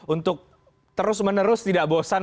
untuk terus menerus tidak bosan